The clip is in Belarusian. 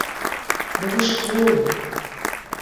Бо вы ж кволы.